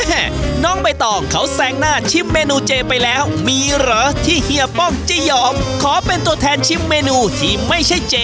น้องใบตองเขาแซงหน้าชิมเมนูเจไปแล้วมีเหรอที่เฮียป้องจะยอมขอเป็นตัวแทนชิมเมนูที่ไม่ใช่เจ